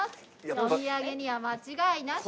お土産には間違いなしの。